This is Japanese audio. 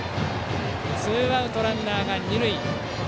ツーアウトランナーが二塁。